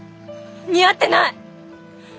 似合ってない！